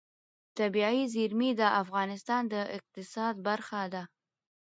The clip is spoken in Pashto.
طبیعي زیرمې د افغانستان د اقتصاد برخه ده.